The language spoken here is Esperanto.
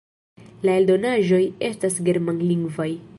La eldonaĵoj estas germanlingvaj.